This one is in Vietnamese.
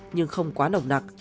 nhưng không quá nổng nặc